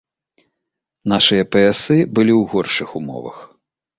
Нашыя паясы былі ў горшых умовах.